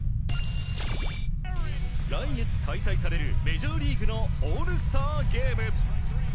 来月開催されるメジャーリーグのオールスターゲーム。